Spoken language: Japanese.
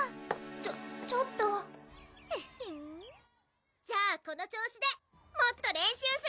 ちょちょっとフッフンじゃあこの調子でもっと練習するぞー！